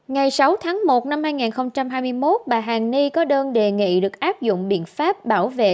ngày sáu tháng một năm hai nghìn hai mươi một bà hàn ni có đơn đề nghị được áp dụng biện pháp bảo vệ